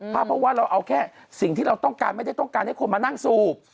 เพราะว่าเราเอาแค่สิ่งที่เราต้องการไม่ได้ต้องการให้คนมานั่งสูบ